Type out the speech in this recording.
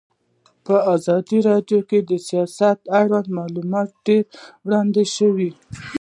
په ازادي راډیو کې د سیاست اړوند معلومات ډېر وړاندې شوي.